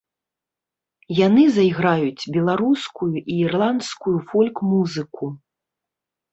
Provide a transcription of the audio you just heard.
Яны зайграюць беларускую і ірландскую фольк-музыку.